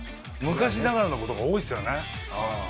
昔ながらのとこが多いっすよね。